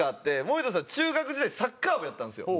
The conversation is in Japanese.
森田さん中学時代サッカー部やったんですよ。